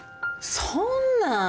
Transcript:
そんな。